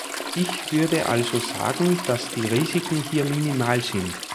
Ich würde also sagen, dass die Risiken hier minimal sind.